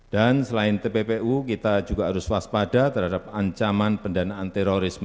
dan selain tppu kita juga harus waspada terhadap ancaman pendanaan terorisme